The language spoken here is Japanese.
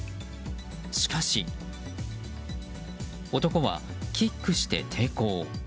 しかし、男はキックして抵抗。